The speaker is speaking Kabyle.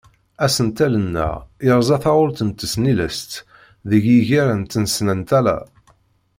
Asentel-nneɣ yerza taɣult n tesnilest deg yiger n tesnantala.